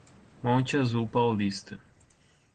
Monte Azul Paulista